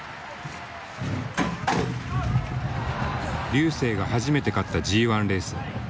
瑠星が初めて勝ったＧ１レース。